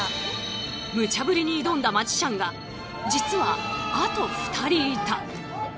ムチャぶりに挑んだマジシャンが実はあと２人いた！